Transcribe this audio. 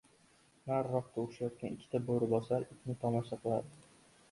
nariroqda urishayotgan ikkita boʻribosar itni tomosha qilardi.